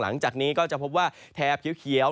หลังจากนี้ก็จะพบว่าแถบเขียว